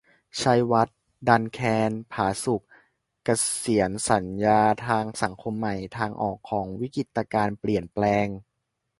ชัยวัฒน์ ดันแคน ผาสุก เกษียร - สัญญาทางสังคมใหม่ : ทางออกของวิกฤติการเปลี่ยนแปลง